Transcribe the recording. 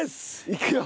いくよ。